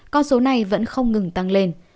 con số này vẫn không ngừng tăng lên